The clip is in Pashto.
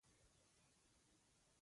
که ستومانه یې، چای وڅښه!